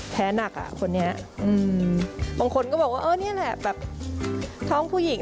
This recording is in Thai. หนักอ่ะคนนี้บางคนก็บอกว่าเออนี่แหละแบบท้องผู้หญิง